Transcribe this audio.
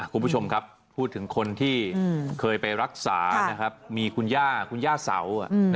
คุณผู้ชมครับพูดถึงคนที่เคยไปรักษานะครับมีคุณย่าคุณย่าเสา